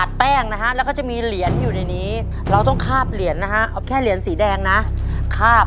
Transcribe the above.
เสร็จแล้วนะฮะ